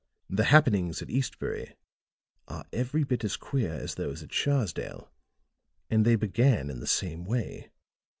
The happenings at Eastbury are every bit as queer as those at Sharsdale; and they began in the same way.